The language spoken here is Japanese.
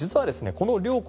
この両国